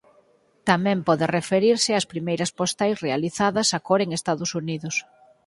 Tamén pode referirse ás primeiras postais realizadas a cor en Estados Unidos.